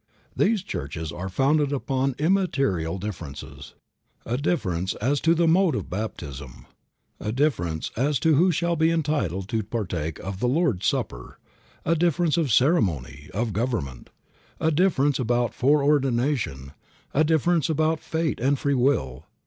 These churches are founded upon immaterial differences; a difference as to the mode of baptism; a difference as to who shall be entitled to partake of the Lord's supper; a difference of ceremony; of government; a difference about fore ordination; a difference about fate and free will.